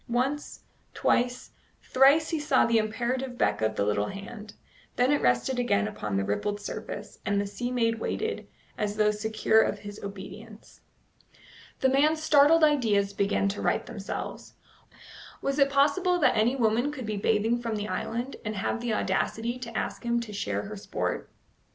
Once, twice, thrice he saw the imperative beck of the little hand; then it rested again upon the rippled surface, and the sea maid waited, as though secure of his obedience. The man's startled ideas began to right themselves. Was it possible that any woman could be bathing from the island, and have the audacity to ask him to share her sport?